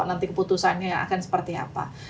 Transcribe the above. nanti keputusannya yang akan seperti apa